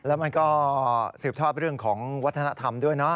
แล้วมันก็สืบทอดเรื่องของวัฒนธรรมด้วยนะ